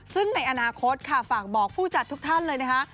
ซึ่งในอนาคตค่ะฝากบอกผู้จัดทุกท่านเลยนะคะ